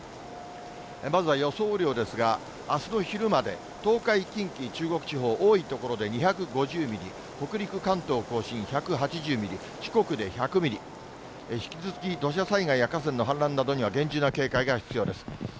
まずは予想雨量ですが、あすの昼まで、東海、近畿、中国地方、多い所で２５０ミリ、北陸、関東甲信１８０ミリ、四国で１００ミリ、引き続き土砂災害や河川の氾濫などには厳重な警戒が必要です。